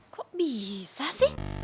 kok bisa sih